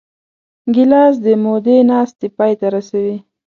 ګیلاس د مودې ناستې پای ته رسوي.